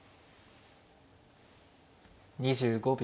２５秒。